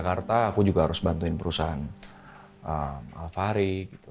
di strip ke jakarta aku juga harus bantuin perusahaan alfahri